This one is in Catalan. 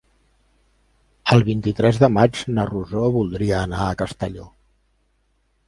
El vint-i-tres de maig na Rosó voldria anar a Castelló.